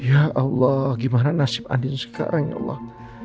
ya allah gimana nasib adil sekarang ya allah